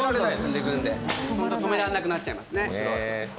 本当に止められなくなっちゃいます。